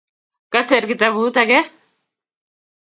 Kaser kitabut akee